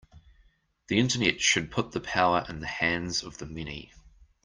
The Internet should put the power in the hands of the many.